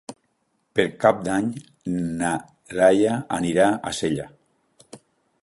Per Cap d'Any na Laia anirà a Sella.